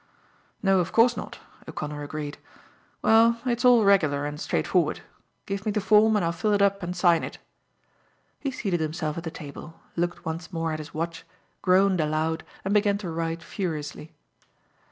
"No, of course not," O'Connor agreed. "Well, it's all regular and straightforward. Give me the form and I'll fill it up and sign it." He seated himself at the table, looked once more at his watch, groaned aloud and began to write furiously.